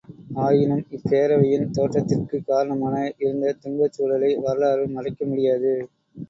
ஆயினும் இப்பேரவையின் தோற்றத்திற்குக் காரணமாக இருந்த துன்பச் சூழலை வரலாறு மறைக்க முடியாது.